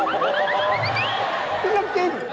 นี่เรื่องจริง